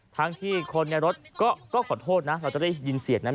ทั้งที่คนในรถก็ขอโทษนะเราจะได้ยินเสียงนั้น